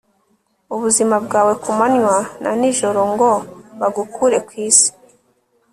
ubuzima bwawe ku manywa na nijoro ngo bagukure ku isi